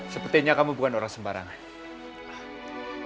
sepertinya kamu bukan orang sembarangan